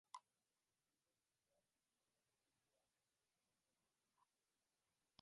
Estuvo inspirado en el modelo del Teatro Marcelo de Roma.